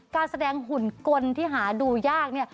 การแสดงหุ่นกลที่หาดูยาก